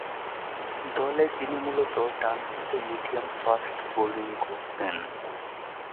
দলে তিনি মূলতঃ ডানহাতে মিডিয়াম-ফাস্ট বোলিং করতেন।